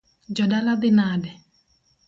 Jodala dhi nade?